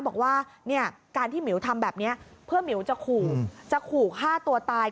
บอกว่าเนี่ยการที่หมิวทำแบบนี้เพื่อหมิวจะขู่จะขู่ฆ่าตัวตาย